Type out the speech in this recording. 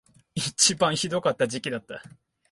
一番ひどかった時期だった